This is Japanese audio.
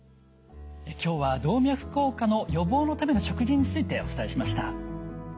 今日は動脈硬化の予防のための食事についてお伝えしました。